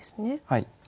はい。